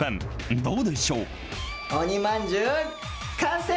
どうでしょう？